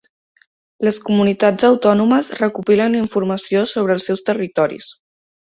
Les comunitats autònomes recopilen informació sobre els seus territoris.